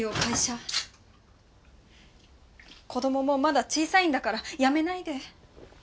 子供もまだ小さいんだから辞めないで。